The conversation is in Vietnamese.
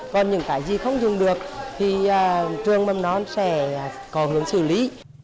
còn những cái gì không dung được thì trường mâm non sẽ có hướng xử lý